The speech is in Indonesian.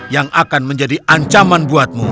yang akan menjadi ancaman buatmu